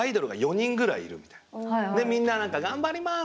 でみんな「頑張ります！」